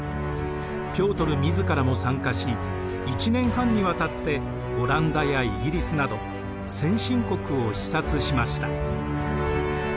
ピョートル自らも参加し１年半にわたってオランダやイギリスなど先進国を視察しました。